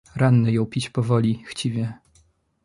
"Ranny jął pić powoli, chciwie."